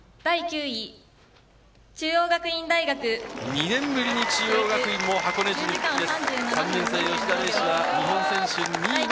２年ぶりに中央学院も箱根路に復帰です。